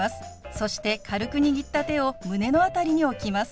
そして軽く握った手を胸の辺りに置きます。